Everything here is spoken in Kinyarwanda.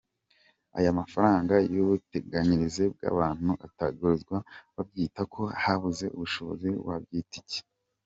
Aya mafaranga y’ubwiteganyirize bw’abantu atagaruzwa wabyita ko habuze ubushobozi, wabyita iki?”.